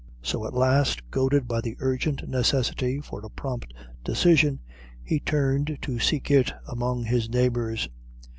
So at last, goaded by the urgent necessity for a prompt decision, he turned to seek it among his neighbours.